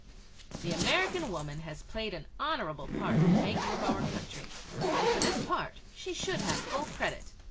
The American woman has played an honorable part in the making of our country, and for this part she should have full credit.